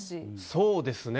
そうですね。